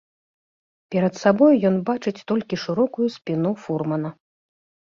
Перад сабою ён бачыць толькі шырокую спіну фурмана.